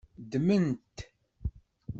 Ddmen-t.